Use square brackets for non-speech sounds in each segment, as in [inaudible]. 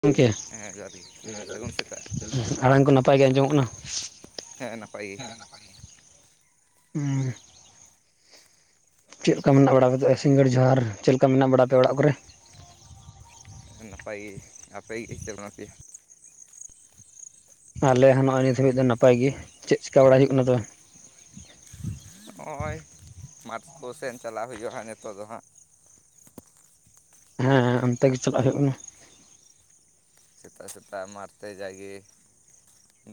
ᱜᱚᱢᱠᱮ ᱦᱮᱸ ᱡᱚᱦᱟᱨ ᱜᱮ ᱥᱟᱹᱜᱩᱱ ᱥᱮᱛᱟᱜ ᱟᱲᱟᱝ ᱠᱚ ᱱᱟᱯᱟᱭ ᱜᱮ ᱟᱸᱡᱚᱢ ᱚᱜ ᱠᱟᱱᱟ? ᱦᱮᱸ ᱱᱟᱯᱟᱭ ᱜᱮ! ᱦᱩᱸ ᱪᱮᱫᱞᱮᱠᱟ ᱢᱮᱱᱟᱜ ᱵᱟᱲᱟ? ᱜᱮ ᱥᱤᱜᱟᱹᱲ ᱡᱚᱦᱟᱨ᱾ ᱪᱮᱫ ᱠᱟ ᱢᱮᱱᱟᱜ ᱵᱟᱲᱟ ᱯᱮᱭᱟ ᱚᱲᱟᱜ ᱠᱚᱨᱮ? ᱱᱟᱯᱟᱭ ᱜᱮ ᱟᱯᱮ ᱜᱮ ᱟᱯᱮ ᱜᱮ ᱪᱮᱫ ᱞᱮᱠᱟ ᱢᱮᱱᱟᱜ ᱯᱮᱭᱟ᱾ ᱟᱞᱮ ᱦᱚᱸ ᱱᱚᱜᱼᱚᱭ ᱱᱤᱛᱚᱜ ᱱᱟᱯᱟᱭ ᱜᱮᱪᱮᱫ ᱪᱤᱠᱟᱹ ᱵᱟᱲᱟ ᱦᱩᱭᱩᱜ ᱠᱟᱱᱟ ᱛᱚᱵᱮ ᱱᱚᱜᱼᱚᱭ ᱢᱟᱴᱷ ᱠᱚ ᱥᱮᱱ ᱪᱟᱞᱟᱜ ᱦᱩᱭᱩᱜᱼᱟ᱾ ᱱᱤᱛᱚᱜ ᱫᱚ ᱦᱟᱸᱜ ᱦᱮᱸ ᱦᱮᱸ ᱚᱱᱛᱮ ᱜᱮ ᱪᱟᱞᱟᱜ ᱦᱩᱭᱩᱜ ᱠᱟᱱᱟ᱾ ᱥᱮᱛᱟᱜ ᱥᱮᱛᱟᱜ ᱢᱟᱴᱷ ᱛᱮ ᱡᱟ ᱜᱮ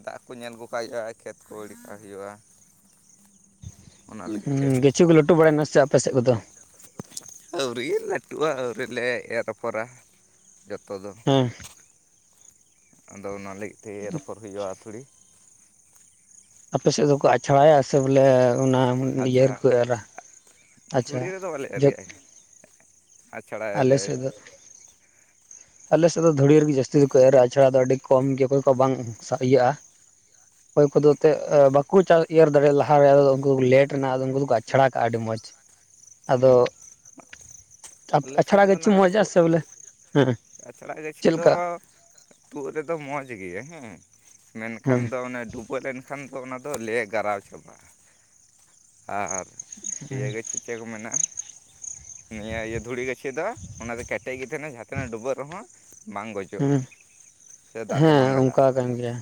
ᱫᱟᱜ ᱠᱚ ᱧᱮᱞ ᱟᱹᱜᱩ ᱠᱟᱜ ᱦᱩᱭᱩᱜᱼᱟ ᱠᱷᱮᱛ ᱠᱚ ᱟᱹᱲ ᱠᱟᱜ ᱦᱩᱭᱩᱜᱼᱟ? ᱚᱱᱟ ᱞᱟᱹᱜᱤᱫ ᱛᱮ ᱦᱩᱸ ᱠᱤᱪᱷᱩ ᱠᱚ ᱞᱟᱹᱴᱩ ᱵᱟᱲᱟᱭ ᱱᱟᱥᱮ ᱟᱯᱮ ᱥᱮᱫ ᱠᱚ ᱫᱚ ᱟᱹᱣᱨᱤ ᱞᱟᱹᱴᱩᱜᱼᱟ ᱟᱹᱣᱨᱤᱞᱮ ᱮᱨ ᱟᱯᱷᱚᱨᱟ ᱡᱚᱛᱚ ᱫᱚ ᱦᱮᱸ ᱟᱫᱚ ᱚᱱᱟ ᱞᱟᱹᱜᱤᱫ ᱛᱮ ᱨᱚᱯᱚᱲ ᱦᱩᱭᱩᱜᱼᱟ, ᱛᱷᱚᱲᱤ ᱟᱯᱮ ᱥᱮᱫ ᱫᱚᱠᱚ ᱟᱪᱷᱟᱲᱟᱭᱟ ᱥᱮ ᱵᱚᱞᱮ ᱚᱱᱟ ᱤᱭᱟᱹ ᱟᱪᱷᱲᱟ ᱨᱮᱠᱚ ᱮᱨᱟ ᱟᱪᱷᱟᱲᱟ ᱡᱚᱛ ᱟᱪᱷᱟᱲᱟᱭᱟ ᱟᱞᱮ ᱥᱮᱫ ᱫᱚ ᱟᱞᱮ ᱥᱮᱫ ᱫᱚ ᱫᱷᱩᱲᱤ ᱨᱮᱜᱮ ᱡᱟᱹᱥᱛᱤ ᱫᱚᱠᱚ ᱮᱨᱼᱟ ᱟᱪᱷᱟᱲᱟ ᱫᱚ ᱟᱹᱰᱤ ᱠᱚᱢ ᱜᱮ ᱚᱠᱚᱭ ᱠᱚ ᱵᱟᱝ ᱤᱭᱟᱹᱜᱼᱟ᱾ ᱚᱠᱚᱭ ᱠᱚᱫᱚ ᱮᱱᱮᱫ ᱵᱟᱠᱚ ᱨᱮ ᱫᱟᱲᱮ ᱞᱟᱦᱟ ᱨᱮᱫᱚ ᱩᱱᱠᱩ ᱫᱚ ᱞᱮᱴ ᱨᱮᱱᱟ ᱟᱫᱚ ᱩᱱᱠᱩ ᱫᱚᱠᱚ ᱟᱪᱷᱲᱟ ᱠᱟᱜᱼᱟ ᱟᱹᱰᱤ ᱢᱚᱸᱡᱽ ᱢᱚᱡᱽ ᱟᱫᱚ ᱦᱮᱸ ᱟᱞᱮ ᱥᱮᱫ ᱟᱪᱷᱟᱲᱟ ᱫᱚ ᱜᱟᱹᱪᱷᱤ ᱢᱚᱸᱡᱼᱟ ᱥᱮ ᱵᱚᱞᱮ ᱦᱩᱸ ᱪᱟᱞᱟᱜ ᱜᱟᱹᱪᱷᱤ ᱫᱚ ᱛᱩᱫ ᱨᱮᱫᱚ ᱢᱚᱡᱽ ᱜᱮᱭᱟ ᱦᱩᱸ ᱦᱮᱸ ᱢᱮᱱᱠᱷᱟᱱ ᱫᱚ ᱚᱱᱮ ᱰᱩᱵᱟᱹ ᱞᱮᱱᱠᱷᱟᱱ ᱚᱱᱟ ᱫᱚ ᱞᱮᱹᱭ ᱜᱟᱨᱟ ᱪᱚᱢᱟ ᱟᱨ ᱯᱤᱭᱟ ᱜᱮ ᱴᱷᱤᱠ ᱴᱷᱟᱠ ᱢᱮᱱᱟᱜᱼᱟ᱾ ᱱᱤᱭᱟᱹ ᱤᱭᱟᱹ ᱫᱷᱩᱲᱤ ᱜᱟᱹᱪᱷᱤ ᱫᱚ ᱚᱱᱟ ᱫᱚ ᱠᱮᱴᱮᱡ ᱜᱮᱛᱮ ᱚᱱᱟ ᱡᱷᱚᱛᱚ ᱱᱟᱜ ᱰᱩᱵᱟᱹᱜ ᱨᱮᱦᱚᱸ ᱵᱟᱝ ᱦᱮᱸ ᱜᱚᱡᱚᱜᱼᱟ ᱥᱮ ᱫᱟᱜ ᱛᱮ ᱦᱮᱸ ᱵᱟᱝ ᱜᱟᱞᱟᱜᱼᱟ ᱚᱝᱠᱟ ᱠᱟᱱ ᱜᱮᱭᱟ᱾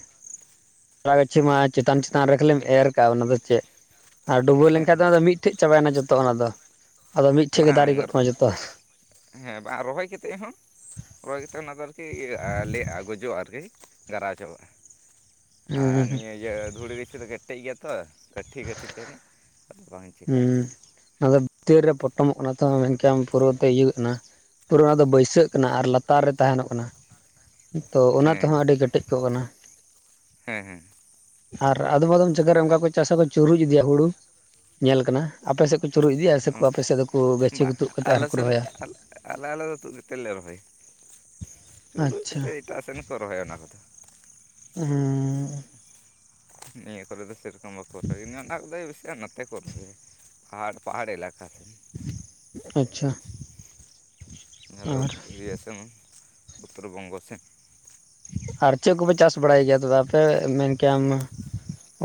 ᱛᱚᱞᱟ ᱜᱟᱹᱪᱷᱤ ᱢᱟ ᱪᱮᱛᱟᱱ ᱪᱮᱛᱟᱱ ᱨᱮᱜᱮᱢ ᱮᱨ ᱠᱟᱜᱼᱟ ᱚᱱᱟ ᱫᱚ ᱪᱮᱫ ᱟᱨ ᱰᱩᱵᱟᱹᱣ ᱦᱮᱸ ᱞᱮᱱᱠᱷᱟᱱ ᱫᱚ ᱚᱱᱟ ᱢᱤᱫᱴᱮᱡ ᱪᱟᱵᱟᱭᱱᱟ ᱡᱚᱛᱚ ᱚᱱᱟ ᱫᱚ ᱟᱫᱚ ᱢᱤᱫᱴᱷᱮᱡ ᱜᱮ ᱫᱟᱨᱮ ᱵᱟᱝ ᱠᱚᱜ ᱛᱟᱢᱟ ᱡᱚᱛᱚ ᱦᱮᱸ ᱵᱟᱝ ᱨᱚᱦᱚᱭ ᱠᱟᱛᱮᱫ ᱦᱚᱸ ᱨᱚᱦᱚᱭ ᱠᱟᱛᱮᱫ ᱚᱱᱟ ᱫᱚ ᱟᱨᱠᱤ ᱞᱮ ᱜᱚᱡᱚᱜᱼᱟ᱾ ᱟᱨᱠᱤ ᱜᱷᱟᱨᱟᱣ ᱪᱟᱵᱟᱜᱼᱟᱭ ᱟᱨ ᱦᱩᱸ ᱱᱤᱭᱟᱹ ᱤᱭᱟᱹ ᱫᱷᱩᱲᱤ ᱜᱤᱪᱷᱤ ᱨᱮᱜᱮ ᱠᱴᱮᱡ ᱜᱮᱭᱟ ᱛᱚ ᱠᱟᱹᱴᱷᱤ ᱜᱴᱷᱤ ᱛᱟᱦᱮᱱ ᱟᱫᱚ ᱵᱟᱝ ᱪᱤᱠᱟᱹᱜᱼᱟ ᱦᱮᱸ ᱟᱫᱚ ᱵᱷᱤᱛᱟᱹᱨ ᱨᱮ ᱯᱚᱴᱚᱢᱚᱜ ᱠᱟᱱᱟ ᱛᱚ ᱢᱮᱱᱠᱷᱟᱱ ᱯᱩᱨᱟᱹᱛᱮ ᱤᱭᱟᱹᱜ ᱮᱱᱟ᱾ ᱯᱩᱨᱟᱹ ᱚᱱᱟ ᱫᱚ ᱦᱮᱸ ᱵᱟᱹᱭᱥᱟᱹᱜ ᱠᱟᱱᱟ ᱟᱨ ᱞᱟᱛᱟᱨ ᱨᱮ ᱛᱟᱦᱮᱱᱚᱜ ᱠᱟᱱᱟ᱾ ᱛᱚ ᱚᱱᱟ ᱛᱮᱦᱚᱸ ᱟᱹᱰᱤ ᱠᱮᱴᱮᱡ ᱠᱚᱜ ᱠᱟᱱᱟ᱾ ᱦᱮᱸ ᱦᱮᱸ ᱟᱨ ᱟᱫᱚᱢ ᱟᱫᱚᱢ ᱡᱟᱜᱟ ᱨᱮ ᱚᱱᱠᱟ ᱠᱚ ᱪᱟᱥᱟᱠᱚ ᱪᱩᱨᱩᱡ ᱤᱫᱤᱭᱟ ᱦᱩᱲᱩ ᱧᱮᱞ ᱠᱟᱱᱟ ᱟᱯᱮ ᱥᱮᱫ ᱠᱚ ᱪᱩᱨᱩᱩᱜ ᱤᱫᱤᱭᱟ ᱥᱮᱠᱚ ᱟᱯᱮ ᱥᱮᱫ ᱫᱚ ᱵᱟᱝ ᱟᱞᱮ ᱥᱮᱱ ᱟᱞᱮ ᱟᱞᱮ ᱫᱚ ᱛᱩᱫ ᱠᱟᱛᱮᱫ ᱞᱮ ᱨᱚᱦᱚᱭᱟ ᱪᱩᱨᱩᱡ ᱛᱮᱫ ᱟᱪᱪᱷᱟ ᱮᱴᱟᱜ ᱥᱮᱱᱠᱚ ᱨᱚᱦᱚᱭᱟ ᱚᱱᱟ ᱠᱚᱫᱚ ᱦᱩᱸ ᱱᱤᱭᱟᱹ ᱠᱚᱨᱮ ᱫᱚ ᱥᱮᱨᱚᱠᱚᱢ ᱵᱟᱠᱚ ᱨᱚᱦᱚᱭᱤᱭᱟᱹ ᱚᱱᱟ ᱠᱚᱫᱚ ᱵᱮᱥᱤᱭ ᱱᱟᱛᱮ ᱠᱚ ᱨᱚᱦᱚᱭᱟ ᱟᱨ ᱯᱟᱦᱟᱲ ᱮᱞᱟᱠᱟ ᱥᱮ ᱟᱪᱪᱷᱟ ᱚᱱᱟ ᱫᱚ ᱟᱨ ᱤᱭᱟᱹ ᱥᱮᱱ ᱩᱛᱛᱚᱨ ᱵᱚᱝᱜᱚ ᱥᱮᱱ ᱟᱨ ᱪᱮᱫ ᱠᱚᱯᱮ ᱪᱟᱥ ᱵᱟᱲᱟᱭ ᱜᱮᱭᱟ ᱫᱟᱫᱟ? ᱟᱯᱮ ᱢᱮᱱ ᱠᱮᱭᱟᱢ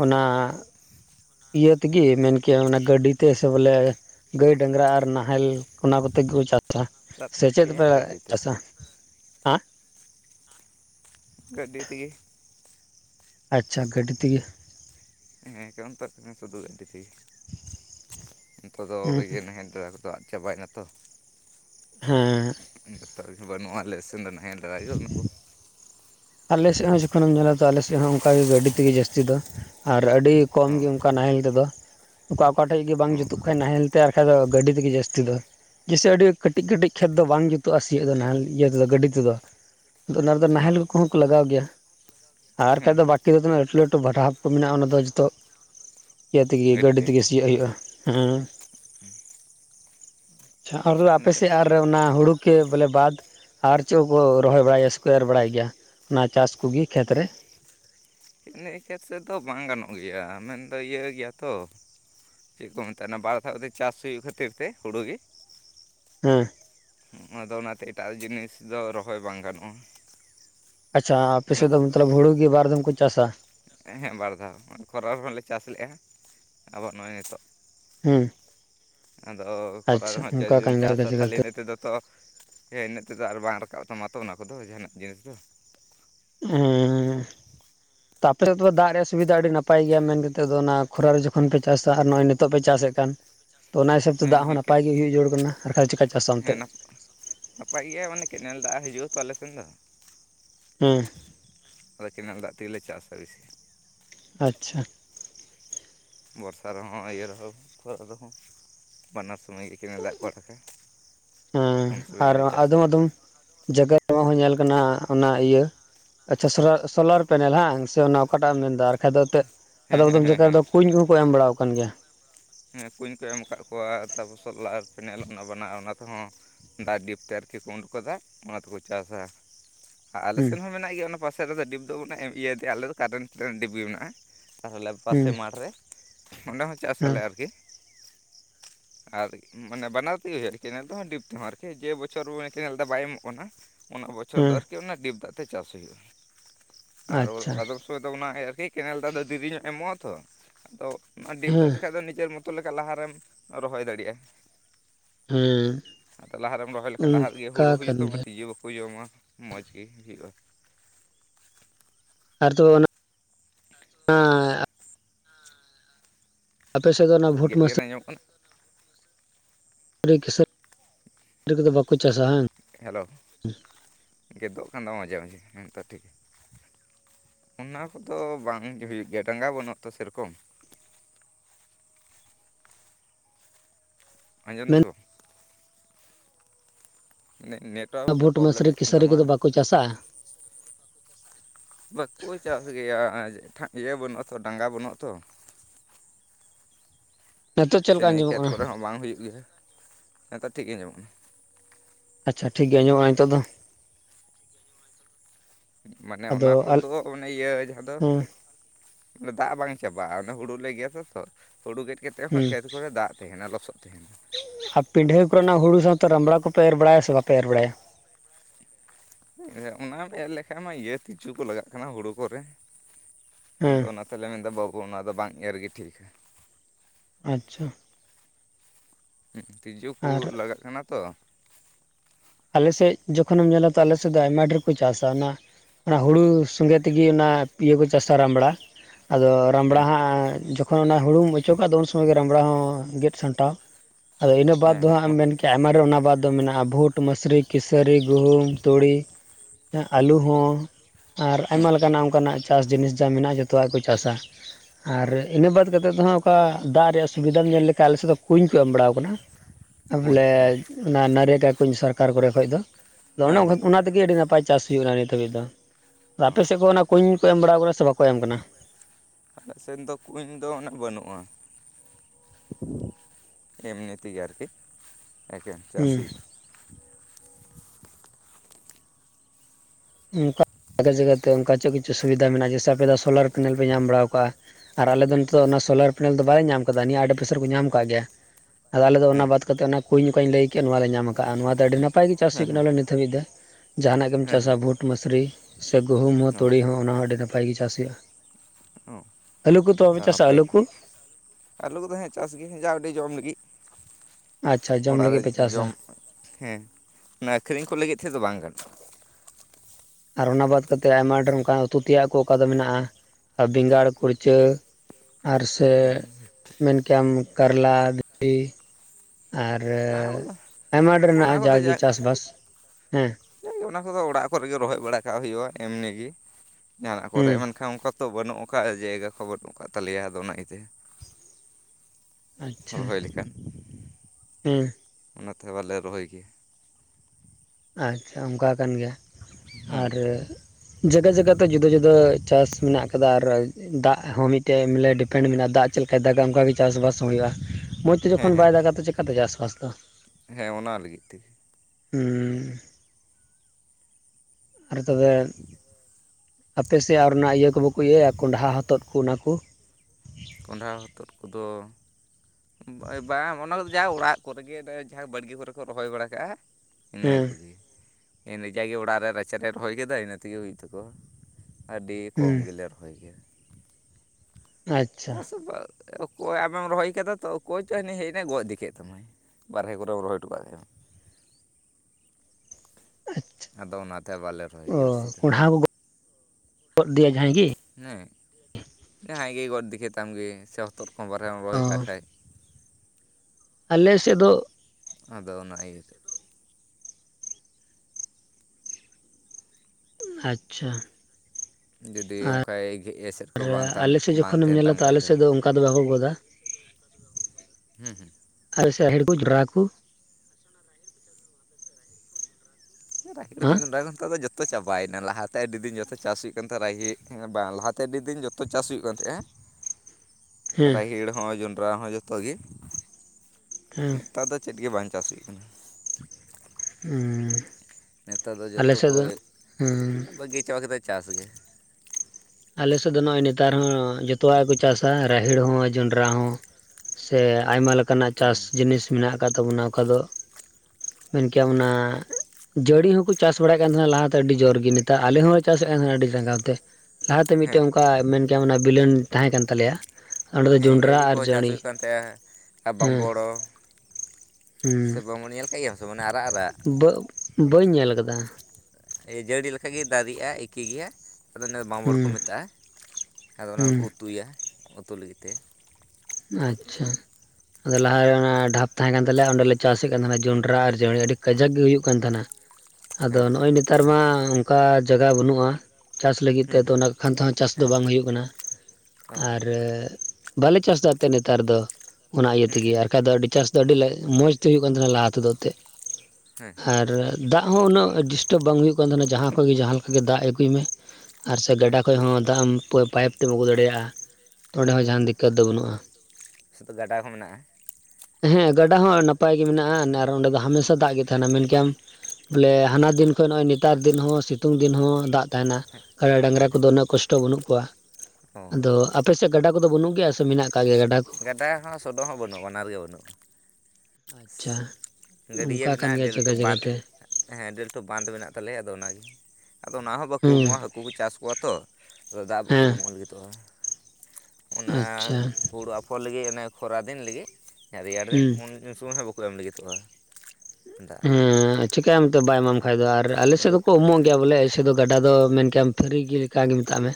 ᱚᱱᱟ ᱤᱭᱟᱹ ᱛᱮᱜᱮ ᱢᱮᱱᱠᱮᱭᱟ ᱚᱱᱟ ᱜᱟᱹᱰᱤᱛᱮ ᱥᱮ ᱵᱚᱞᱮ ᱜᱟᱹᱭ ᱰᱟᱝᱨᱟ ᱟᱨ ᱱᱟᱦᱮᱞ ᱚᱱᱟ ᱠᱚᱛᱮ ᱜᱮᱠᱚ ᱪᱟᱥ ᱟ ᱛᱟᱨᱯᱚᱨᱮ ᱥᱮᱪᱮᱫ ᱠᱮᱱ ᱯᱮ ᱜᱟᱹᱰᱤ ᱛᱮ ᱟᱥᱟ ᱦᱮ ᱜᱟᱹᱰᱤ ᱛᱮᱜᱮ ᱟᱪᱪᱷᱟ ᱜᱟᱹᱰᱤ ᱛᱮᱜᱮ᱾ ᱦᱮᱸᱠᱷ ᱛ ᱥᱩᱫᱩ ᱜᱰᱤ ᱛᱮᱜᱮ ᱱᱤᱛᱚᱜ ᱫᱚ ᱤᱭᱟᱹ ᱢᱮᱦ ᱫᱟ ᱠᱚ ᱟᱫ ᱪᱟᱵᱟᱭᱮᱱᱟ ᱛᱚ ᱦᱮᱸ ᱵᱟᱹᱱᱩᱜ-ᱟ ᱟᱞᱮ ᱥᱮᱱ ᱱᱟᱦᱮᱞ ᱡᱟᱭ ᱩᱱᱟᱹᱜ ᱠᱚ ᱟᱞᱮ ᱥᱮᱫ ᱦᱚᱸ ᱡᱚᱠᱷᱚᱱᱮᱢ ᱧᱮᱞᱟ ᱫᱟ ᱟᱞᱮ ᱥᱮᱫ ᱦᱚᱸ ᱟᱱᱠᱟᱜᱮ ᱜᱟᱹᱰᱤ ᱛᱮᱜᱮ ᱡᱟᱹᱥᱛᱤ ᱫᱚ ᱟᱨ ᱟᱹᱰᱤ ᱠᱚᱢ ᱜᱮ ᱦᱚᱸ ᱚᱱᱠᱟ ᱱᱟᱦᱮᱞ ᱛᱮᱫᱚ ᱚᱠᱟ ᱚᱠᱟ ᱴᱷᱮᱡ ᱜᱮ ᱵᱟᱝ ᱦᱚᱸ ᱡᱩᱛᱩᱜ ᱠᱷᱟᱡ ᱱᱟᱦᱮᱞ ᱛᱮ ᱟᱨ ᱵᱟᱠᱷᱟᱡ ᱫᱚ ᱜᱟᱹᱰᱤ ᱛᱮᱜᱮ ᱡᱟᱹᱥᱛᱤ ᱫᱚ ᱡᱮᱭᱥᱮ ᱟᱹᱰᱤ ᱠᱟᱹᱴᱤᱡ ᱠᱟᱹᱴᱤᱡ ᱠᱷᱮᱛ ᱫᱚ ᱵᱟᱝ ᱡᱩᱛᱩᱜᱼᱟ, ᱥᱤᱭᱳᱜ ᱫᱚ ᱱᱟᱦᱮᱞ ᱤᱭᱟᱹ ᱛᱮᱫᱚ ᱜᱟᱹᱰᱤ ᱛᱮᱫᱚ᱾ ᱟᱫᱚ ᱚᱱᱟ ᱨᱮᱫᱚ ᱦᱚᱸ ᱱᱟᱦᱮᱞ ᱠᱚ ᱠᱚᱦᱚᱸ ᱠᱚ ᱞᱟᱜᱟᱣ ᱜᱮᱭᱟ᱾ ᱟᱨ ᱦᱮᱸ ᱦᱮᱸ ᱵᱟᱠᱤ ᱫᱚ ᱩᱱᱟᱹᱜ ᱞᱟᱹᱴᱩ-ᱞᱟᱹᱴᱩ ᱵᱷᱟᱰᱟᱵ ᱠᱚ ᱢᱮᱱᱟᱜᱼᱟ᱾ ᱚᱱᱟ ᱫᱚ ᱡᱚᱛᱚᱜ ᱤᱭᱟᱹ ᱛᱮᱜᱮ ᱜᱟᱹᱰᱤ ᱛᱮᱜᱮ ᱥᱤᱭᱳᱜ ᱦᱩᱭᱩᱜᱼᱟ᱾ ᱦᱮᱸ ᱟᱪᱪᱷᱟ ᱟᱫᱚ ᱟᱯᱮᱥᱮᱫ ᱟᱨ ᱚᱱᱟ ᱦᱩᱲᱩ ᱠᱤ ᱵᱚᱞᱮ ᱵᱟᱫ ᱟᱨ ᱪᱮᱫ ᱠᱚ ᱨᱚᱦᱚᱭ ᱵᱟᱲᱟᱭᱟ ᱥᱮᱠᱚ ᱮᱨ ᱵᱟᱲᱟᱭ ᱜᱮᱭᱟ ᱚᱱᱟ ᱪᱟᱥ ᱠᱚᱜᱮ ᱠᱷᱮᱛᱨᱮ ᱤᱱᱟᱹ ᱠᱷᱮᱛ ᱥᱮᱫ ᱫᱚ ᱵᱟᱝ ᱜᱟᱱᱚᱜ ᱜᱮᱭᱟ ᱢᱮᱱᱫᱚ ᱤᱭᱟᱹ ᱜᱮᱭᱟ ᱛᱚ ᱪᱮᱫ ᱠᱚ ᱢᱮᱛᱟᱜ ᱟ ᱵᱟᱨ ᱫᱷᱟᱣᱛᱮ ᱪᱟᱥ ᱦᱩᱭᱩᱜ ᱠᱷᱟᱹᱛᱤᱨ ᱛᱮ ᱦᱩᱲᱩ ᱜᱮ ᱦᱮᱸ ᱟᱫᱚ ᱚᱱᱟᱛᱮ ᱮᱴᱟᱜ ᱡᱤᱱᱤᱥ ᱫᱚ ᱨᱚᱦᱚᱭ ᱵᱟᱝ ᱜᱟᱱᱚᱜᱼᱟ᱾ ᱟᱪᱪᱷᱟ ᱚᱱᱟ ᱟᱯᱮᱥᱮᱫ ᱫᱚ ᱠᱚ ᱢᱟᱛᱞᱚᱵ ᱦᱩᱲᱩ ᱜᱮ ᱵᱟᱨᱫᱚᱢ ᱠᱚ ᱪᱟᱥᱟ? ᱦᱮᱸ ᱵᱟᱨ ᱫᱷᱟᱣ ᱠᱷᱚᱨᱟ ᱨᱮᱦᱚᱸ ᱞᱮ ᱪᱟᱥ ᱞᱮᱜᱼᱟ᱾ ᱟᱵᱚ ᱱᱚᱜᱼᱚᱭ ᱱᱤᱛᱚᱜ ᱦᱮᱸ ᱟᱫᱚ ᱠᱷᱚᱨᱟ ᱨᱮᱦᱚᱸ ᱡᱩᱫᱤᱢ ᱪᱟᱥᱟ ᱛᱟᱦᱚᱞᱮ ᱪᱤᱠᱟᱹᱛᱮ ᱤᱱᱟᱹ ᱛᱮᱫᱚ ᱛᱚ ᱦᱮᱸ ᱤᱱᱟᱹᱜ ᱛᱮᱫᱚ ᱟᱨ ᱵᱟᱝ ᱨᱟᱠᱟᱵ ᱛᱟᱢᱟ ᱛᱚ ᱚᱱᱟ ᱠᱚᱫᱚ ᱡᱟᱦᱟᱱᱟᱜ ᱡᱤᱱᱤᱥ ᱫᱚ ᱦᱩᱸ ᱛᱚ ᱟᱯᱮ ᱥᱮᱫ ᱫᱟᱜ ᱨᱮᱭᱟᱜ ᱥᱩᱵᱤᱫᱷᱟ ᱟᱹᱰᱤ ᱱᱟᱯᱟᱭ ᱜᱮᱭᱟ ᱢᱮᱱ ᱠᱟᱛᱮᱫ ᱫᱚ ᱚᱱᱟ ᱠᱷᱚᱨᱟ ᱡᱚᱠᱷᱚᱱ ᱯᱮ ᱪᱟᱥᱟ ᱟᱨ ᱱᱚᱜᱼᱚᱭ ᱱᱤᱛᱚᱜ ᱯᱮ ᱪᱟᱥᱮᱫ ᱠᱟᱱ ᱛᱚ ᱚᱱᱟ ᱦᱤᱥᱟᱹᱵ ᱛᱮ ᱦᱮᱸ ᱫᱟᱜ ᱦᱮᱸ ᱦᱚᱸ ᱠᱟᱹᱡ ᱱᱟᱯᱟᱭ ᱜᱮ ᱦᱩᱭᱩᱜ ᱡᱟᱹᱨᱩᱲ ᱠᱟᱱᱟ ᱟᱨ ᱪᱤᱠᱟ ᱪᱟᱥᱟᱢ ᱦᱮᱸ ᱮᱱᱛᱮᱫ ᱱᱮᱯ ᱱᱟᱯᱟᱭ ᱜᱮᱭᱟ ᱢᱟᱱᱮ ᱠᱮᱱᱮᱞ ᱫᱟᱜ ᱦᱤᱡᱩᱜ-ᱟ ᱛᱚ ᱟᱞᱮ ᱥᱮᱱ ᱫᱚ ᱦᱮᱸ ᱟᱫᱚ ᱠᱮᱱᱮᱞ ᱫᱟᱜ ᱛᱮᱜᱮᱞᱮ ᱪᱟᱥᱟ ᱵᱮᱥᱤ᱾ ᱟᱪᱪᱷᱟ᱾ ᱵᱚᱨᱥᱟ ᱨᱮᱦᱚᱸ ᱤᱭᱟᱹ ᱨᱮᱦᱚᱸ ᱠᱷᱚᱨᱟ ᱨᱮᱦᱚᱸ ᱵᱟᱱᱟᱨ ᱥᱚᱢᱚᱭ ᱜᱮ ᱠᱮᱱᱮᱞ ᱫᱟᱜ ᱠᱚ ᱟᱲᱟᱜᱟ ᱦᱮᱸ ᱩᱱ ᱥᱚᱢᱚᱭ ᱟᱨ ᱜᱮᱞᱮ ᱟᱫᱚᱢ ᱪᱟᱥᱟ ᱱᱚᱛᱮ ᱟᱫᱚᱢ ᱡᱟᱭᱜᱟ ᱨᱮ ᱦᱚᱸ ᱧᱮᱞ ᱠᱟᱱᱟ ᱚᱱᱟ ᱤᱭᱟᱹ ᱟᱪᱪᱷᱟ ᱥᱳᱞᱟ ᱥᱳᱞᱟᱨ ᱯᱮᱱᱮᱞ ᱦᱟᱝᱸ ᱥᱮ ᱚᱱᱟ ᱚᱠᱟᱴᱟᱜ ᱮᱢ ᱢᱮᱱ ᱮᱫᱟ ᱟᱨ ᱵᱟᱠᱷᱟᱡ ᱫᱚ ᱮᱱᱛᱮᱫ ᱦᱮᱸ ᱟᱫᱚᱢ ᱦᱮᱸ ᱟᱫᱚᱢ ᱦᱮᱸ ᱡᱟᱜᱟ ᱦᱮᱸ ᱨᱮᱫᱚ ᱠᱩᱧ ᱠᱚᱦᱚᱸ ᱠᱚ ᱮᱢ ᱵᱟᱲᱟᱣ ᱠᱟᱱ ᱜᱮᱭᱟ ᱦᱮᱸ ᱠᱩᱧ ᱠᱚ ᱮᱢ ᱠᱟᱜ ᱠᱚᱣᱟ ᱛᱟᱨᱯᱚᱨ ᱥᱚᱞᱟᱨ ᱯᱮᱱᱮᱞ ᱚᱱᱟ ᱵᱟᱱᱟᱨ ᱚᱱᱟ ᱛᱮᱦᱚᱸ ᱫᱟᱜ ᱰᱤᱯ ᱛᱮ ᱟᱨᱠᱤ ᱠᱚ ᱩᱸᱰᱩᱠ ᱠᱟᱫᱟ ᱚᱱᱟ ᱛᱮᱠᱚ ᱪᱟᱥᱟ ᱟᱨ ᱟᱞᱮ ᱦᱩᱸ ᱥᱮᱫ ᱦᱚᱸ ᱢᱮᱱᱟᱜ ᱜᱮᱭᱟ ᱚᱱᱟ ᱯᱟᱥᱮ ᱨᱮᱫᱚ ᱰᱤᱯ ᱫᱚ ᱵᱚᱞᱮ ᱮᱢ ᱤᱭᱟᱹᱛᱮ ᱟᱞᱮ ᱫᱚ ᱠᱟᱨᱮᱱᱴᱮᱱ ᱰᱤᱯ ᱜᱮ ᱢᱮᱱᱟᱜᱼᱟ᱾ ᱟᱞᱮ ᱯᱟᱥᱮ ᱦᱩᱸ ᱢᱟᱴᱷ ᱨᱮ ᱚᱸᱰᱮ ᱦᱚᱸ ᱦᱩᱸ ᱪᱟᱥᱟᱞᱮ ᱟᱨᱠᱤ [unintelligible] ᱟᱨ ᱢᱟᱱᱮ ᱵᱟᱱᱟᱨ ᱛᱮᱜᱮ ᱦᱩᱭᱩᱜᱼᱟ ᱠᱮᱱᱮᱞ ᱛᱮᱦᱚᱸ ᱰᱤᱯ ᱛᱮᱦᱚᱸ ᱟᱨᱠᱤ ᱡᱮ ᱵᱚᱪᱷᱚᱨ ᱠᱮᱱᱮᱞ ᱫᱟᱜ ᱵᱟᱭ ᱮᱢᱚᱜ ᱠᱟᱱᱟ ᱚᱱᱟ ᱵᱚᱪᱷᱚᱨ ᱫᱚ ᱦᱩᱸ ᱟᱨᱠᱤ ᱚᱱᱟ ᱰᱤᱯ ᱫᱟᱜ ᱛᱮ ᱪᱟᱥ ᱦᱩᱭᱩᱜᱼᱟ᱾ ᱟᱨ ᱟᱪᱪᱷᱟ ᱟᱫᱚᱵ ᱥᱚᱢᱚᱭ ᱫᱚ ᱚᱱᱟ ᱟᱨᱠᱤ ᱠᱮᱱᱮᱞ ᱫᱟᱜ ᱫᱚ ᱫᱮᱨᱤ ᱧᱚᱜ ᱮᱢᱚᱜᱼᱟ ᱛᱚ ᱟᱫᱚ ᱚᱱᱟ ᱰᱤᱯ ᱦᱮᱸ ᱫᱟᱜ ᱛᱮᱠᱷᱟᱱ ᱫᱚ ᱱᱤᱡᱮᱨ ᱢᱚᱛᱚ ᱞᱮᱠᱟ ᱞᱟᱦᱟᱨᱮᱢ ᱨᱚᱦᱚᱭ ᱫᱟᱲᱮᱭᱟᱜᱼᱟ᱾ ᱦᱮᱸ ᱟᱫᱚ ᱞᱟᱦᱟ ᱨᱮᱢ ᱨᱚᱦᱚᱭ ᱞᱮᱠᱷᱟᱡ ᱞᱟᱦᱟ ᱨᱮᱜᱮ ᱚᱱᱠᱟ ᱦᱩᱲᱩ ᱦᱩᱭᱩᱜ ᱠᱟᱱ ᱛᱟᱢᱟ ᱜᱮᱭᱟ ᱛᱤᱭᱳᱼᱼ ᱠᱚ ᱡᱚᱢᱟ ᱢᱚᱡᱽ ᱜᱮ ᱦᱩᱭᱩᱜᱼᱟ᱾ ᱟᱨ ᱫᱚ ᱚᱱᱟ [unintelligible] ᱟᱯᱮ ᱥᱮᱫ ᱫᱚ ᱚᱱᱟ ᱵᱷᱳᱴ ᱜᱮᱫ ᱢᱟᱹᱥᱼᱼ ᱜᱮᱫ ᱟᱸᱡᱚᱢᱚᱜ ᱠᱟᱱᱟ ᱟᱹᱰᱤ ᱠᱤᱥᱟᱹ [inaudible] ᱠᱚᱫᱚ ᱵᱟᱠᱚ ᱪᱟᱥᱟ ᱵᱟᱝ? ᱦᱮᱞᱳ ᱜᱮᱫᱚᱜ ᱠᱟᱱ ᱫᱚ ᱢᱟᱡᱷᱮ ᱢᱟᱡᱷᱮ ᱦᱮᱸ ᱛᱚ ᱴᱷᱤᱠ ᱜᱮᱭᱟ᱾ ᱚᱱᱟ ᱠᱚᱫᱚ ᱵᱟᱝ ᱦᱩᱭᱩᱜ ᱜᱮᱭᱟ ᱰᱟᱸᱜᱟ ᱵᱟᱹᱱᱩᱜ-ᱟ ᱛᱚ ᱥᱮᱨᱚᱠᱚᱢ᱾ [inaudible] ᱟᱸᱡᱚᱢ ᱫᱟ ᱥᱮ ᱵᱟᱝ ᱢᱟᱱᱮ ᱱᱮᱴᱣᱟᱨᱠ ᱮ ᱵᱷᱩᱴ ᱢᱟᱥᱨᱤ ᱯᱨᱚᱵᱞᱮᱢᱮᱫ ᱠᱟᱱ ᱠᱮᱥᱟᱹᱨᱤ ᱠᱚᱫᱚ ᱛᱟᱢᱟ ᱵᱟᱠᱚ ᱪᱟᱥᱟ? ᱵᱟᱠᱚ ᱪᱟᱥ ᱜᱮᱭᱟ᱾ ᱤᱭᱟᱹ ᱵᱟᱹᱱᱩᱜ ᱟᱛᱚ ᱰᱟᱸᱜᱟ ᱵᱟᱹᱱᱩᱜ ᱟᱛᱚ ᱱᱤᱛᱚᱜ ᱪᱮᱫ ᱥᱮ ᱞᱮᱠᱟ ᱱᱤᱭᱟᱹ ᱟᱸᱡᱚᱢᱚᱜ ᱠᱷᱮᱛ ᱠᱟᱱᱟ ᱠᱚᱨᱮ ᱦᱚᱸ ᱵᱟᱝ ᱦᱩᱭᱩᱜ ᱜᱮᱭᱟ ᱱᱮᱛᱚᱜ ᱴᱷᱤᱠ ᱜᱮ ᱟᱸᱡᱚᱢᱚᱜ ᱠᱟᱱᱟ᱾ ᱟᱪᱪᱷᱟ ᱴᱷᱤᱠ ᱜᱮᱭᱟ ᱟᱸᱡᱚᱢᱚᱜ-ᱟ ᱱᱤᱛᱳᱜ ᱫᱚ ᱢᱟᱱᱮ ᱟᱫᱚ ᱚᱱᱟ ᱟᱞᱮ ᱠᱚᱫᱚ ᱢᱟᱱᱮ ᱤᱭᱟᱹ ᱡᱟᱦᱟᱸ ᱫᱚ ᱦᱮᱸ ᱫᱟᱜ ᱵᱟᱝ ᱪᱟᱵᱟᱜᱼᱟ ᱚᱱᱟ ᱦᱩᱲᱩᱞ ᱞᱮ ᱜᱮᱫ ᱟᱛᱚ ᱦᱩᱲᱩ ᱜᱮᱫ ᱠᱟᱛᱮᱫ ᱦᱚᱸ ᱦᱮᱸ ᱠᱷᱮᱛ ᱠᱚᱨᱮ ᱫᱟᱜ ᱛᱟᱦᱮᱱᱟ᱾ ᱞᱚᱥᱚᱫ ᱛᱟᱦᱮᱱᱟ ᱟᱨ ᱯᱤᱸᱰᱷᱟᱹ ᱠᱚ ᱨᱮᱱᱟᱜ ᱦᱩᱲᱩ ᱥᱟᱶᱼᱼ ᱛᱚ ᱨᱟᱢᱲᱟ ᱠᱚᱯᱮ ᱮᱨ ᱵᱟᱲᱟᱭᱟ ᱥᱮ ᱵᱟᱯᱮ ᱮᱨ ᱵᱟᱲᱟᱭᱟ? ᱚᱱᱟᱢ ᱮᱨ ᱞᱮᱠᱷᱟᱱ ᱢᱟ ᱤᱭᱟᱹ ᱛᱤᱪᱩ ᱠᱚ ᱞᱟᱜᱟᱜ ᱠᱟᱱᱟ ᱦᱩᱲᱩ ᱠᱚᱨᱮ᱾ ᱦᱮᱸ ᱟᱫᱚ ᱚᱱᱟ ᱛᱮᱞᱮ ᱢᱮᱱᱫᱟ ᱵᱟᱹᱵᱩ ᱚᱱᱟ ᱫᱚ ᱵᱟᱝ ᱮᱨ ᱜᱮ ᱴᱷᱤᱠᱟ ᱟᱪᱪᱷᱟ ᱛᱤᱡᱩ ᱠᱚ ᱟᱨ ᱞᱟᱜᱟᱜ ᱠᱟᱱᱟ ᱛᱚ᱾ ᱟᱞᱮᱥᱮᱫ ᱡᱚᱠᱷᱚᱱᱮᱢ ᱧᱮᱞᱟ ᱛᱚ ᱟᱞᱮᱥᱮᱫ ᱫᱚ ᱟᱭᱢᱟ ᱰᱷᱮᱨ ᱠᱚ ᱪᱟᱥᱟ ᱚᱱᱟ᱾ ᱚᱱᱟ ᱦᱩᱲᱩ ᱥᱚᱸᱜᱮ ᱛᱮᱜᱤ ᱚᱱᱟ ᱤᱭᱟᱹ ᱠᱚ ᱪᱟᱥᱟ ᱨᱟᱢᱲᱟ᱾ ᱟᱫᱚ ᱨᱟᱢᱲᱟ ᱦᱮᱸ ᱦᱟᱸᱜ ᱡᱚ [unintelligible] ᱠᱷᱚᱱ ᱚᱱᱟ ᱦᱩᱲᱩᱢ ᱚᱪᱚᱜᱟ ᱫᱚ ᱩᱱ ᱥᱚᱢᱚᱭ ᱜᱮ ᱨᱟᱢᱲᱟ ᱦᱚᱸ ᱜᱮᱫ ᱥᱟᱢᱴᱟᱣ ᱟᱫᱚ ᱤᱱᱟᱹ ᱵᱟᱫ ᱦᱮᱸ ᱫᱚ ᱦᱮᱸ ᱦᱟᱸᱜ ᱮᱢ ᱢᱮᱱ ᱠᱮᱜ-ᱟ ᱟᱭᱢ [unintelligible] ᱚᱱᱟ ᱵᱟᱫ ᱫᱚ ᱢᱮᱱᱟᱜᱼᱟ ᱵᱷᱩᱴ ᱢᱟᱹᱥᱨᱤ ᱠᱤᱥᱟᱹᱨᱤ᱾ ᱜᱩᱦᱩᱢ ᱛᱩᱲᱤ ᱟᱹᱞᱩ ᱦᱚᱸ ᱟᱨ ᱟᱭᱢᱟ ᱦᱮᱸ ᱞᱮᱠᱟᱱᱟᱜ ᱚᱱᱠᱟᱱᱟᱜ ᱪᱟᱥ ᱡᱤᱱᱤᱥ ᱡᱟ ᱢᱮᱱᱟᱜᱼᱟ ᱡᱚᱛᱚᱣᱟᱜ ᱠᱚ ᱪᱟᱥᱟ ᱟᱨ ᱦᱮᱸ ᱤᱱᱟᱹ ᱵᱟᱫ [unintelligible] ᱠᱟᱛᱮᱫ ᱫᱚ ᱦᱟᱸᱜ ᱚᱠᱟ ᱫᱟᱜ ᱨᱮᱭᱟᱜ ᱥᱩᱵᱤᱫᱷᱟ ᱧᱮᱞ ᱞᱮᱠᱷᱟᱱ ᱟᱞᱮ ᱥᱮᱫ ᱫᱚ ᱠᱩᱧ ᱠᱚ ᱮᱢ ᱵᱟᱲᱟᱣ ᱠᱟᱱᱟ ᱠᱩᱧ ᱵᱚᱞᱮ ᱦᱚᱸ ᱚᱱᱟ ᱱᱟᱲᱮᱠᱟ ᱠᱩᱧ ᱥᱚᱨᱠᱟᱨ ᱠᱚᱨᱮ ᱠᱷᱚᱡ ᱫᱚ ᱚᱱᱮ ᱦᱮᱸ ᱦᱮᱸ ᱚᱱᱟᱛᱮᱜᱮ ᱟᱹᱰᱤ ᱱᱟᱯᱟᱭ ᱪᱟᱥ ᱦᱩᱭᱩᱜ ᱠᱟᱱᱟ ᱱᱤᱛ ᱦᱟᱹᱵᱤᱡ ᱫᱚ ᱟᱯᱮ ᱦᱚᱸ ᱥᱮᱫ ᱠᱷᱚᱱ ᱚᱱᱟ ᱠᱩᱧ ᱠᱚ ᱮᱢ ᱵᱟᱲᱟᱣ ᱠᱟᱱᱟ ᱥᱮ ᱵᱟᱠᱚ ᱮᱢ ᱠᱟᱱᱟ ᱟᱞᱮ ᱥᱮᱫ ᱫᱚ ᱠᱩᱧ ᱫᱚ ᱩᱱᱟᱹᱜ ᱵᱟᱹᱱᱩᱜᱼᱟ ᱮᱢᱱᱤ ᱛᱮᱜᱮ ᱟᱨᱠᱤ ᱮᱠᱮᱱ ᱦᱩᱸ ᱪᱟᱹᱥᱤ [unintelligible] ᱡᱟᱭᱜᱟᱛᱮ ᱚᱱᱠᱟ ᱪᱮᱫ ᱠᱤᱪᱷᱩ ᱥᱩᱵᱤᱫᱷᱟ ᱢᱮᱱᱟᱜᱼᱟ ᱡᱮᱭᱥᱮ ᱟᱯᱮ ᱫᱚ ᱥᱳᱞᱟᱨ ᱯᱮᱱᱮᱞ ᱯᱮ ᱧᱟᱢ ᱵᱟᱲᱟᱣ ᱠᱟᱜᱼᱟ ᱟᱨ ᱟᱞᱮ ᱫᱚ ᱱᱤᱛᱚᱜ ᱥᱳᱞᱟᱨ ᱯᱮᱱᱮᱞ ᱫᱚ ᱵᱟᱞᱮ ᱧᱟᱢ ᱠᱟᱫᱟ ᱱᱤᱭᱟᱹ ᱟᱹᱰᱮ ᱯᱟᱥᱮ ᱠᱚ ᱧᱟᱢ ᱟᱠᱟᱫ ᱜᱮᱭᱟ ᱟᱫᱚ ᱟᱞᱮᱫᱚ ᱦᱮᱸ ᱚᱱᱟ ᱵᱟᱫ ᱠᱟᱛᱮ ᱚᱱᱟ ᱠᱩᱧ ᱱᱚᱠᱟᱧ ᱞᱟᱹᱭ ᱠᱮᱫ ᱱᱚᱣᱟᱞ ᱞᱮ ᱧᱟᱢ ᱟᱠᱟᱫᱼᱟ ᱱᱚᱣᱟ ᱫᱚ ᱟᱹᱰᱤ ᱱᱟᱯᱟᱭ ᱜᱮ ᱪᱟᱥ ᱦᱮᱸ ᱦᱩᱭᱩᱜ ᱠᱟᱱᱟ ᱦᱮᱸ ᱵᱚᱞᱮ ᱱᱤᱛ ᱫᱷᱟᱹᱵᱤᱡ ᱡᱟᱦᱟᱸ ᱱᱟᱜ ᱜᱮᱢ ᱦᱮᱸ ᱪᱟᱥ ᱦᱮᱸ ᱵᱷᱩᱴ ᱢᱟᱥᱹᱨᱤ ᱥᱮ ᱜᱩᱦᱩᱢ ᱦᱚᱸ ᱛᱩᱲᱤ ᱦᱚᱸ ᱚᱱᱟ ᱟᱹᱰᱤ ᱱᱟᱯᱟᱭ ᱪᱟᱥ ᱦᱩᱭᱩᱜ-ᱟ ᱦᱚᱸ ᱟᱹᱞᱩ ᱠᱚ ᱫᱚ ᱵᱟᱯᱮ ᱪᱟᱥᱼᱟ ᱟᱹᱞᱩ ᱠᱚ ᱟᱹᱞᱩ ᱠᱚᱫᱚ ᱦᱮᱸ ᱪᱟᱥ ᱜᱮ ᱡᱟ ᱳᱹᱰᱤᱡ ᱡᱚᱢ ᱞᱟᱹᱜᱤᱫ ᱟᱪᱪᱷᱟ ᱡᱚᱢ ᱚᱲᱟᱜ ᱨᱮ ᱞᱟᱹᱜᱤᱫ ᱯᱮ ᱪᱟᱥᱟ ᱡᱚᱢ ᱦᱮᱸ ᱚᱱᱟ ᱟᱹᱠᱷᱨᱤᱧ ᱠᱚ ᱞᱟᱹᱜᱤᱫ ᱛᱮᱫᱚ ᱵᱟᱝ ᱜᱟᱱᱚᱜ ᱟᱨ ᱚᱱᱟ ᱵᱟᱫᱽ ᱠᱟᱛᱮ ᱟᱭᱢᱟ ᱰᱷᱮᱨ ᱚᱱᱠᱟ ᱩᱛᱩ ᱛᱮᱭᱟᱜ ᱠᱚ ᱚᱠᱟ ᱫᱚ ᱢᱮᱱᱟᱜᱼᱟ ᱟᱨ ᱵᱮᱸᱜᱟᱲ ᱠᱩᱲᱪᱟᱹ ᱟᱨ ᱥᱮ ᱢᱮᱱ ᱠᱮᱭᱟᱢ ᱠᱟᱨᱞᱟ ᱫᱷᱤ ᱟᱨ ᱚᱱᱟ ᱠᱚᱫᱚ ᱟᱭᱢᱟ ᱰᱷᱮᱨ ᱚᱱᱟ ᱢᱮᱱᱟᱜᱼᱟ ᱠᱚᱫᱚ ᱡᱟᱜᱮ ᱡᱟᱠ ᱪᱟᱥ ᱵᱟᱥ ᱦᱮᱸ ᱚᱱᱟ ᱠᱚᱫᱚ ᱚᱲᱟᱜ ᱠᱚᱨᱮᱜᱮ ᱨᱚᱦᱚᱭ ᱵᱟᱲᱟ ᱠᱟᱜ ᱦᱩᱭᱩᱜᱼᱟ ᱮᱢᱱᱤ ᱜᱮ ᱡᱟᱦᱟ ᱱᱟᱜ ᱠᱚᱨᱮ ᱦᱩᱸ ᱢᱮᱱᱠᱷᱟᱱ ᱚᱱᱠᱟ ᱵᱟᱹᱱᱩᱜ ᱟᱠᱟᱜ ᱡᱟᱭᱜᱟ ᱠᱚ ᱵᱟᱹᱱᱩᱜ ᱛᱟᱞᱮᱭᱟ ᱟᱫᱚ ᱚᱱᱟ ᱤᱭᱟᱹᱛᱮ ᱟᱪᱪᱷᱟ ᱨᱚᱦᱚᱭ ᱞᱮᱠᱷᱟᱱ [unintelligible] ᱚᱱᱟ ᱛᱮ ᱵᱟᱞᱮ ᱨᱚᱦᱚᱭ ᱜᱮᱭᱟ ᱟᱪᱪᱷᱟ ᱚᱱᱠᱟ ᱟᱠᱟᱱ ᱜᱮᱭᱟ ᱟᱨ ᱦᱮᱸ ᱡᱟᱭᱜᱟ ᱡᱟᱭᱜᱟ ᱛᱮ ᱡᱩᱫᱟᱹ ᱡᱩᱫᱟᱹ ᱪᱟᱥ ᱢᱮᱱᱟᱜ ᱟᱠᱟᱫᱟ ᱟᱨ ᱫᱟᱜ ᱦᱚᱸ ᱢᱤᱫᱴᱮᱡ ᱢᱮᱞᱮ ᱰᱤᱯᱮᱱᱰ ᱢᱮᱱᱟᱜ ᱫᱟᱜ ᱪᱮᱫ ᱞᱮᱠᱟᱭ ᱫᱟᱜᱟᱭ ᱚᱱᱠᱟ ᱜᱮ ᱪᱟᱥ ᱵᱟᱥ ᱦᱩᱭᱩᱜᱼᱟ ᱢᱚᱸᱡᱽ ᱛᱮ ᱦᱮᱸ ᱡᱚᱠᱷᱚᱱ ᱦᱮᱸ ᱵᱟᱭ ᱦᱮᱸ ᱫᱟᱜᱟᱭ ᱛᱚ ᱪᱮᱠᱟᱛᱮ ᱦᱩᱭᱩᱜ -ᱟ ᱪᱟᱥ ᱵᱟᱥ ᱫᱚ ᱦᱮᱸ ᱚᱱᱟ ᱞᱟᱹᱜᱤᱫ ᱛᱮᱜᱮ ᱦᱩ ᱟᱨ ᱛᱚᱵᱮ ᱟᱯᱮ ᱥᱮᱭᱟ ᱚᱱᱟ ᱤᱭᱟᱹ ᱠᱚ ᱵᱟᱠᱚ ᱤᱭᱟᱹᱭᱟ ᱠᱚᱸᱰᱟ ᱦᱚᱛᱚᱫ ᱠᱚ ᱚᱱᱟ ᱠᱳ ᱠᱚ ᱫᱚ ᱵᱟᱝ ᱚᱱᱟ ᱡᱟ ᱚᱲᱟᱜ ᱠᱚᱨᱮᱜᱮ ᱡᱟ ᱵᱟᱲᱜᱮ ᱠᱚᱨᱮ ᱠᱚ ᱨᱚᱦᱚᱭ ᱵᱟᱲᱟ ᱠᱟᱜᱼᱟ ᱤᱱᱟᱹ ᱦᱮᱸ ᱠᱚ ᱜᱮ ᱮᱱᱮ ᱡᱟᱜᱮ ᱚᱲᱟᱜ ᱨᱮ ᱨᱟᱪᱟᱨᱮ ᱨᱚᱦᱚᱭ ᱠᱮᱫᱟᱭ ᱤᱱᱟᱹ ᱛᱮ ᱜᱮ ᱦᱩᱭᱩᱜ ᱛᱟᱠᱚᱣᱟ ᱟᱹᱰᱤ ᱠᱚᱢ ᱦᱩᱸ ᱜᱮᱞᱮ ᱨᱚᱦᱚᱭ ᱜᱮᱭᱟ ᱟᱪᱪᱷᱟ ᱟᱥᱚᱞ ᱚᱠᱚᱭ ᱟᱢ ᱮᱢ ᱨᱚᱦᱚᱭ ᱠᱟᱫᱟ ᱛᱚ ᱚᱠᱚᱭ ᱪᱚ ᱦᱟᱱᱤ ᱦᱮᱡ ᱮᱱᱟᱭ ᱜᱚᱫ ᱤᱫᱤ ᱠᱮᱫ ᱛᱟᱢᱟᱭ ᱵᱟᱦᱨᱮ ᱠᱚᱨᱮᱢ ᱨᱚᱦᱚᱭ ᱦᱚᱴᱚ ᱠᱟᱜ ᱛᱟᱦᱮ [unintelligible] ᱟᱪᱪᱷᱟ ᱟᱫᱚ ᱚᱱᱟ ᱛᱮ ᱵᱟᱞᱮ ᱨᱚᱦᱚᱭ ᱚ ᱜᱮᱭᱟ ᱵᱮᱥᱤ ᱫᱚ ᱠᱚᱸᱰᱷᱟ ᱠᱚ ᱜᱚᱫ ᱤᱫᱤᱭᱟ ᱡᱟᱦᱟᱸᱭ ᱜᱮ ᱩᱱᱤ ᱜᱮᱭ ᱜᱚᱫ ᱤᱫᱤ ᱠᱮᱫ ᱛᱟᱢ ᱜᱮ ᱥᱮ ᱦᱚᱛᱚᱛ ᱠᱚ ᱵᱟᱨᱭᱟ ᱚ ᱨᱚᱦᱚᱭ ᱠᱟᱜ ᱠᱷᱟᱡ ᱟᱞᱮ ᱥᱮᱫ ᱫᱚ ᱟᱫᱚ ᱚᱱᱟ ᱤᱭᱟᱹᱛᱮ ᱟᱪᱪᱷᱟ ᱡᱩᱫᱤ ᱚᱱᱠᱟᱭ ᱟᱨ ᱟᱞᱮ ᱥᱮᱫ ᱡᱚᱠᱷᱚᱱ ᱮᱢ ᱧᱮᱞᱟ ᱛᱚ ᱟᱞᱮ ᱥᱮᱫ ᱫᱚ ᱚᱱᱠᱟ ᱫᱚ ᱵᱟᱠᱚ ᱜᱚᱫᱟ ᱦᱩᱸ ᱦᱩᱸ ᱟᱞᱮ ᱥᱮᱫ ᱨᱟᱦᱮᱲ ᱠᱩ ᱡᱚᱸᱰᱨᱟ ᱠᱩ ᱨᱟᱦᱮᱲ ᱠᱚ ᱦᱟᱸ ᱡᱚᱸᱰᱨᱟ ᱱᱮᱛᱟᱨ ᱫᱚ ᱡᱚᱛᱚ ᱡᱚᱛᱚ ᱪᱟᱵᱟᱭ ᱮᱱᱟ ᱞᱟᱦᱟ ᱛᱮ ᱟᱹᱰᱤ ᱫᱤᱱ ᱡᱚᱛᱚ ᱪᱟᱥ ᱦᱩᱭᱩᱜ ᱠᱟᱱ ᱛᱟᱦᱮᱸᱫ ᱨᱟᱦᱮᱲ ᱵᱟᱝ ᱞᱟᱦᱟᱛᱮ ᱟᱹᱰᱤ ᱫᱤᱱ ᱡᱚᱛᱚ ᱪᱟᱥ ᱦᱩᱭᱩᱜ ᱠᱟᱱ ᱛᱟᱦᱮᱸᱫ ᱦᱮᱸ [unintelligible] ᱦᱮᱸ ᱨᱟᱦᱮᱲ ᱦᱚᱸ ᱡᱚᱱᱰᱨᱟ ᱦᱚᱸ ᱡᱚᱛᱚ ᱜᱮ ᱱᱮᱛᱟᱨ ᱫᱚ ᱪᱮᱫ ᱜᱮ ᱵᱟᱝ ᱪᱟᱥ ᱦᱩᱭᱩᱜ ᱠᱟᱱᱟ᱾ ᱦᱮᱸ ᱱᱮᱛᱟᱨ ᱫᱚ ᱟᱞᱮ ᱡᱚᱛᱚ ᱥᱮᱫ ᱠᱚ ᱫᱚ ᱦᱮᱸ ᱵᱟᱹᱜᱤ ᱪᱟᱵᱟ ᱠᱮᱫᱟ ᱪᱟᱥ ᱜᱮ᱾ ᱟᱞᱮ ᱥᱮᱫ ᱫᱚ ᱱᱚᱜᱼᱚᱭ ᱱᱮᱛᱟᱨ ᱦᱚᱸ ᱡᱷᱚᱛᱚᱣᱟᱜ ᱜᱮᱠᱚ ᱪᱟᱥ-ᱟ ᱨᱟᱦᱮᱲ ᱦᱚᱸ ᱡᱚᱱᱰᱨᱟ ᱦᱚᱸ᱾ ᱥᱮ ᱟᱭᱢᱟ ᱞᱮᱠᱟᱱᱟᱜ ᱪᱟᱥ ᱦᱮᱸ ᱡᱤᱱᱤᱥ ᱢᱮᱱᱟᱜ ᱟᱠᱟᱫ ᱛᱟᱵᱚᱱᱟ ᱚᱠᱟ ᱫᱚ [unintelligible] ᱢᱮᱱ ᱠᱮᱟᱢ ᱚᱱᱟ ᱡᱟᱹᱲᱤ ᱦᱚᱸᱠᱚ ᱪᱟᱥ ᱵᱟᱲᱟᱭᱮᱫ ᱠᱟᱱ ᱛᱟᱦᱮᱱᱟ ᱞᱟᱦᱟᱛᱮ ᱟᱹᱰᱤ ᱡᱳᱨ ᱜᱮ ᱱᱮᱛᱟᱨ ᱟᱞᱮ ᱦᱚᱸᱞᱮ ᱪᱟᱥᱮᱫ ᱠᱟᱱᱱᱟ ᱟᱹᱰᱤ ᱨᱟᱸᱜᱟᱣ ᱛᱮ ᱞᱟᱦᱟᱛᱮ ᱦᱮᱸ ᱢᱤᱫᱴᱮᱱ ᱚᱱᱠᱟ ᱢᱮᱱ ᱠᱮᱭᱟ ᱚᱱᱟ ᱵᱤᱞᱚᱱ ᱛᱟᱦᱮᱸ ᱠᱟᱱ ᱛᱟᱞᱮᱭᱟ᱾ ᱚᱸᱰᱮ ᱫᱚ ᱦᱮᱸ ᱡᱚᱱᱰᱨᱟ ᱡᱟᱹᱲᱤ ᱟᱨ ᱠᱚᱦᱚᱸ ᱪᱟᱥ ᱦᱩᱭᱩᱜ ᱠᱟᱱ ᱛᱟᱦᱮᱸᱫ ᱟᱨ ᱦᱮᱸ ᱵᱟᱢᱵᱚᱲᱚ᱾ ᱦᱮᱸ ᱥᱮ ᱵᱟᱝ ᱧᱮᱞ ᱠᱟᱜ ᱜᱮᱭᱟᱢ ᱥᱮᱟᱱ ᱟᱨᱟᱜ ᱟᱨᱟᱜ ᱵᱟᱹᱧ ᱧᱮᱞ ᱟᱠᱟᱫᱟ᱾ ᱡᱟᱹᱲᱤ ᱞᱮᱠᱟᱜ ᱫᱟᱨᱮᱜᱼᱟ ᱤᱠᱤ ᱜᱮᱭᱟ᱾ ᱟᱫᱚ ᱵᱟᱸᱵᱚᱲ ᱠᱚ ᱦᱩᱸ ᱢᱮᱛᱟᱜᱼᱟ ᱟᱫᱚ ᱦᱩᱸ ᱚᱱᱟᱠᱚ ᱩᱛᱩᱭᱟ ᱩᱛᱩ ᱞᱟᱹᱜᱤᱫ ᱛᱮ᱾ ᱟᱪᱪᱷᱟ ᱟᱫᱚ ᱞᱟᱦᱟᱨᱮ ᱚᱱᱟ ᱰᱷᱟᱯ ᱛᱟᱦᱮᱸ ᱠᱟᱱ ᱛᱟᱞᱮᱭᱟ ᱚᱸᱰᱮᱞᱮ ᱪᱟᱥᱮᱫ ᱠᱟᱱ ᱛᱟᱦᱮᱱᱟ ᱡᱚᱱᱰᱨᱟ ᱟᱨ ᱡᱮ ᱟᱹᱰᱤ ᱠᱟᱡᱟᱠ ᱜᱮ ᱦᱩᱭᱩᱜ ᱠᱟᱱ ᱛᱟᱦᱮᱱᱟ᱾ ᱟᱫᱚ ᱦᱮᱸ ᱱᱚᱜᱚᱭ ᱱᱮᱛᱟᱨ ᱢᱟ ᱚᱱᱠᱟ ᱡᱟᱭᱜᱟ ᱵᱟᱹᱱᱩᱜᱼᱟ᱾ ᱪᱟᱥ ᱞᱟᱹᱜᱤᱫ ᱛᱮ ᱦᱩᱸ ᱛᱚ ᱦᱩᱸ ᱚᱱᱟ ᱠᱷᱟᱱ ᱛᱮᱦᱚᱸ ᱪᱟᱥ ᱫᱚ ᱦᱮᱸ ᱵᱟᱝ ᱦᱩᱭᱩᱜ ᱠᱟᱱᱟ᱾ ᱚ ᱟᱨ, ᱵᱟᱞᱮ ᱪᱟᱥ ᱮᱫᱟ ᱛᱮ ᱱᱮᱛᱟᱨ ᱫᱚ᱾ ᱚᱱᱟ ᱤᱭᱟᱹ ᱦᱩᱸ ᱛᱮᱜᱮ ᱦᱩᱸ ᱟᱨ ᱵᱟᱠᱟᱱᱡ ᱫᱚ ᱟᱹᱰᱤ ᱪᱟᱥ ᱫᱚ ᱚ ᱟᱹᱰᱤ ᱢᱚᱸᱡᱽ ᱛᱮ ᱦᱩᱭᱩᱜ ᱠᱟᱱ ᱛᱟᱦᱮᱱᱟ ᱞᱟᱦᱟ ᱛᱮᱫᱚ ᱦᱮᱸ ᱮᱱᱛᱮᱫ ᱟᱨ ᱫᱟᱜ ᱦᱚᱸ ᱩᱱᱟᱹᱜ ᱰᱤᱥᱴᱟᱵᱽ ᱵᱟᱝ ᱦᱩᱭᱩᱜ ᱠᱟᱱ ᱛᱟᱦᱮᱱᱟ ᱡᱟᱦᱟᱸ ᱠᱷᱚᱱ ᱜᱮ ᱡᱟᱦᱟᱸ ᱞᱮᱠᱟᱟᱜ ᱫᱟᱜ ᱟᱹᱜᱩᱭ ᱢᱮ᱾ ᱟᱨ ᱥᱮ ᱦᱮᱸ ᱜᱟᱰᱟ ᱠᱷᱚᱱᱚᱡ ᱦᱚᱸ ᱫᱟᱜ ᱮᱢ ᱯᱟᱭᱤᱯ ᱛᱮᱢ ᱟᱹᱜᱩ ᱫᱟᱲᱮᱭᱟᱜᱼᱟ ᱛᱚ ᱚᱸᱰᱮ ᱚ ᱦᱚᱸ ᱡᱟᱦᱟᱱ ᱫᱤᱠᱠᱚᱛ ᱫᱚ ᱵᱟᱹᱱᱩᱜᱼᱟ᱾ ᱜᱟᱰᱟ ᱠᱚ ᱢᱮᱱᱟᱜᱼᱟ᱾ ᱦᱮᱸ ᱜᱟᱰᱟ ᱦᱚᱸ ᱱᱟᱯᱟᱭ ᱜᱮ ᱢᱮᱱᱟᱜᱼᱟ ᱟᱨ ᱚᱸᱰᱮ ᱫᱚ ᱦᱟᱢᱮᱥᱟ ᱫᱟᱜ ᱜᱮ ᱛᱟᱦᱮᱱᱟ ᱢᱮᱱᱠᱮᱭᱟᱢ ᱵᱚᱞᱮ ᱦᱟᱱᱟ ᱫᱤᱱ ᱠᱷᱚᱱᱜ ᱱᱮᱛᱟᱨ ᱫᱤᱱ ᱦᱚᱸ ᱥᱤᱛᱩᱝ ᱫᱤᱱ ᱦᱚᱸ ᱫᱟᱜ ᱛᱟᱦᱮᱱᱟ ᱜᱟᱰᱟ ᱰᱟᱝᱨᱟ ᱦᱮᱸ ᱦᱮᱸ ᱠᱚᱫᱚ ᱩᱱᱟᱹᱜ ᱠᱚᱥᱴᱚ ᱵᱟᱹᱱᱩᱜ ᱠᱚᱣᱟ ᱚ ᱟᱫᱚ ᱟᱯᱮᱥᱮᱫ ᱜᱟᱰᱟ ᱠᱚᱫᱚ ᱵᱟᱹᱱᱩᱜ ᱜᱮᱭᱟ ᱥᱮ ᱢᱮᱱᱟᱜ ᱟᱠᱟᱫ ᱜᱮᱭᱟ ᱜᱟᱰᱟ ᱠᱚ ᱜᱟᱰᱟ ᱦᱚᱸ ᱥᱚᱰᱚᱜ ᱦᱚᱸ ᱵᱟᱹᱱᱩᱜᱼᱟ ᱵᱟᱱᱟ ᱨᱮᱜᱮ ᱵᱟᱹᱱᱩᱜᱼᱟ᱾ ᱟᱪᱪᱷᱟ ᱜᱟᱹᱰᱭᱮ ᱚᱱᱠᱟ ᱠᱟᱱ ᱢᱮᱱᱟᱜᱼᱟ ᱜᱮᱭᱟ ᱟᱹᱰᱤ ᱡᱟᱭᱜᱟ ᱞᱟᱹᱴᱩ ᱵᱟᱸᱫᱷ ᱡᱟᱭᱜᱟᱛᱮ ᱦᱮᱸ ᱟᱹᱰᱤ ᱞᱟᱹᱴᱩ ᱵᱟᱸᱫᱷ ᱢᱮᱱᱟᱜ ᱛᱟᱞᱮᱭᱟ ᱟᱫᱚ ᱚᱱᱟᱜᱮ᱾ ᱟᱫᱚ ᱚᱱᱟ ᱦᱚᱸ ᱵᱟᱠᱚ ᱦᱮᱸ ᱮᱢᱚᱜᱼᱟ ᱦᱟᱹᱠᱩ ᱠᱚ ᱪᱟᱥ ᱠᱚᱣᱟ ᱛᱚ ᱟᱫᱚ ᱫᱟᱜ ᱵᱟᱠᱚ ᱦᱮᱸ ᱮᱢᱚᱜ ᱞᱟᱹᱜᱤᱫᱚᱜᱼᱟ ᱚᱱᱟ ᱟᱪᱪᱷᱟ ᱦᱩᱲᱩ ᱟᱯᱷᱚᱨ ᱞᱟᱹᱜᱤᱫ ᱚᱱᱟᱮ ᱠᱷᱚᱨᱟ ᱫᱤᱱ ᱞᱟᱹᱜᱤᱫ ᱨᱮᱭᱟᱲ ᱫᱤᱱ ᱦᱮᱸ ᱩᱱ ᱥᱚᱢᱚᱭ ᱦᱚᱸ ᱵᱟᱠᱚ ᱮᱢ ᱞᱟᱹᱜᱤᱫᱚᱜᱼᱟ᱾ ᱫᱟᱜ ᱦᱮᱸ ᱪᱤᱠᱟᱹᱭᱟᱢᱛ ᱵᱟᱭ ᱮᱢᱟᱢ ᱠᱷᱟᱡ ᱫᱚ ᱟᱨ ᱟᱞᱮ ᱥᱮᱫ ᱫᱚᱠᱚ ᱩ ᱮᱢᱚᱜ ᱜᱮᱭᱟ ᱵᱚᱞᱮ ᱤᱥᱮ ᱫᱚ ᱜᱟᱰᱟ ᱫᱚ ᱢᱮᱱᱠᱮ ᱯᱷᱤᱨᱤ ᱞᱮᱠᱟ ᱜᱮ ᱢᱮᱛᱟᱜ ᱢᱮ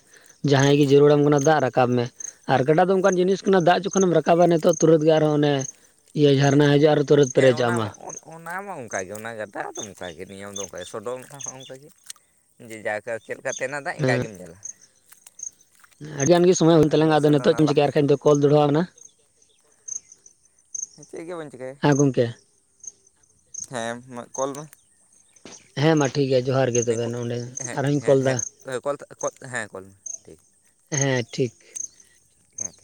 ᱡᱟᱦᱟᱸᱭ ᱜᱮ ᱡᱟᱹᱨᱩᱲᱟᱢ ᱠᱟᱱᱟ ᱫᱟᱜ ᱨᱟᱠᱟᱼᱼ ᱨᱟᱠᱟᱵ ᱢᱮ ᱟᱨ ᱠᱟᱴᱟ ᱫᱚ ᱚᱱᱠᱟᱱ ᱡᱤᱱᱤᱥ ᱠᱟᱱᱟ ᱫᱟᱜ ᱡᱚᱠᱷᱚᱱᱮᱢ ᱨᱟᱠᱟᱵᱟ ᱱᱤᱛ ᱛᱩᱨᱟᱹᱛ ᱜᱮ ᱟᱨᱦᱚᱸ ᱚᱱᱮ ᱤᱭᱟᱹ ᱡᱷᱟᱨᱱᱟ ᱦᱟᱤᱡᱼᱟ ᱟᱨ ᱛᱩᱨᱟᱹᱛ ᱦᱮᱸ ᱚᱱᱟ ᱯᱮᱨᱮᱡᱟᱜ ᱢᱟ ᱚᱱᱟ ᱢᱟ ᱚᱱᱠᱟᱜᱮ ᱚᱱᱟ ᱜᱟᱰᱟᱫᱚ ᱚᱱᱠᱟᱜᱮ ᱱᱤᱭᱚᱢ ᱫᱚ ᱚᱱᱠᱟᱜᱮ ᱥᱚᱰᱚᱝ ᱦᱚᱸ ᱚᱱᱠᱟᱜᱮ ᱡᱮ ᱡᱟ ᱠᱟ ᱪᱮᱫ ᱞᱮᱠᱟᱜᱮ ᱚᱱᱟ ᱫᱟᱜ ᱤᱱᱠᱟ ᱦᱮᱸ ᱜᱮᱢ ᱧᱮᱞᱟ ᱟᱹᱰᱤᱜᱟᱱ ᱜᱮ ᱥᱚᱢᱚᱭ ᱦᱩᱭ ᱛᱟᱞᱟᱝᱟ ᱟᱞᱮ ᱟᱫᱚ ᱥᱮᱫ ᱫᱚ ᱱᱤᱛᱚᱜ ᱪᱮᱢ ᱱᱟᱞᱟ ᱪᱮᱤᱠᱟᱭᱟ ᱠᱟᱱ ᱫᱚ ᱠᱚᱞ ᱫᱚᱲᱦᱟᱣᱱᱟ ᱪᱮᱫ ᱜᱮ ᱵᱟᱹᱧ ᱪᱮᱠᱟᱭᱟ ᱦᱮᱸ ᱜᱚᱢᱠᱮ ᱦᱮᱸ ᱢᱟ ᱠᱚᱞ ᱢᱮ᱾ ᱦᱮᱸ ᱢᱟ ᱴᱷᱤᱠ ᱜᱮᱭᱟ ᱡᱚᱦᱟᱨ ᱜᱮ ᱛᱚᱵᱮ ᱱᱚᱰᱮ ᱟᱨᱦᱚᱧ ᱠᱚᱞ ᱮᱫᱟ [unintelligible] ᱦᱮᱸ ᱠᱚᱞ ᱢᱮ ᱴᱷᱤᱠ ᱦᱮᱸ ᱴᱷᱤᱠ ᱦᱮ ᱴᱷᱤᱠ